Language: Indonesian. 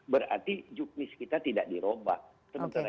berarti jukmis kita tidak dirombak